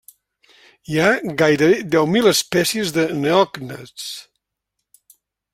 Hi ha gairebé deu mil espècies de neògnats.